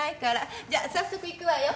じゃ早速行くわよ。